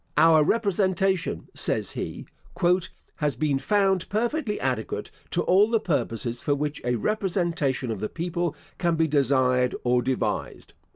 "Our representation," says he, "has been found perfectly adequate to all the purposes for which a representation of the people can be desired or devised."